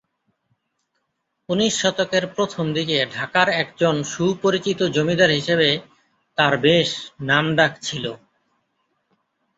উনিশ শতকের প্রথম দিকে ঢাকার একজন সুপরিচিত জমিদার হিসেবে তার বেশ নাম ডাক ছিল।